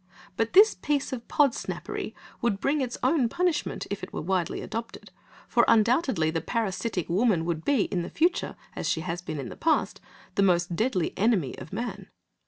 But this piece of Podsnappery would bring its own punishment, if it were widely adopted, for undoubtedly the parasitic woman would be, in the future, as she has been in the past, the most deadly enemy of man.